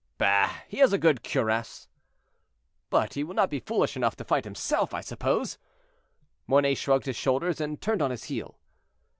"Bah! he has a good cuirass." "But he will not be foolish enough to fight himself, I suppose?" Mornay shrugged his shoulders and turned on his heel.